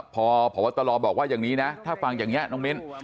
พอพบตรบอกว่าอย่างนี้นะถ้าฟังอย่างนี้น้องมิ้น